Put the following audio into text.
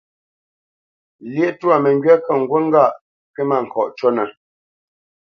Lyéʼ twâ məŋgywá kə̂ ŋgût ŋgâʼ kywítmâŋkɔʼ cúnə̄.